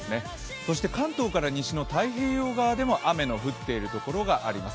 そして関東から西の太平洋側でも雨の降っているところがあります。